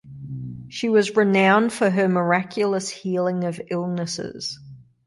She was renowned for her miraculous healing of illnesses.